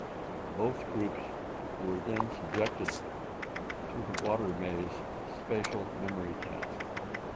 Both groups were then subjected to the water maze spatial memory task.